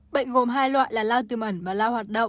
bệnh gồm hai loại là lao tư mẩn và lao hoạt động